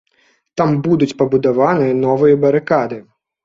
Там будуць пабудаваныя новыя барыкады.